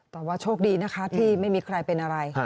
แต่ว่าโชคดีนะคะที่ไม่มีใครเป็นอะไร